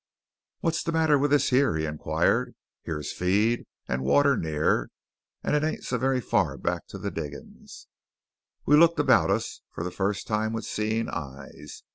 "What's the matter with this here?" he inquired. "Here's feed, and water near, and it ain't so very far back to the diggings." We looked about us, for the first time with seeing eyes.